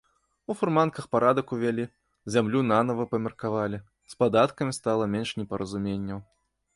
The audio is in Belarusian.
У фурманках парадак увялі, зямлю нанава памеркавалі, з падаткамі стала менш непаразуменняў.